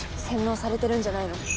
洗脳されてるんじゃないの？